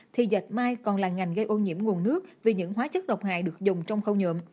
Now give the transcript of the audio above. thì dẹp mây còn là ngành gây ô nhiễm nguồn nước vì những hóa chất độc hại được dùng trong khâu nhượng